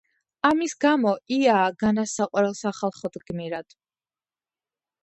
ამის გამო, იაა განას საყვარელ სახალხოდ გმირად.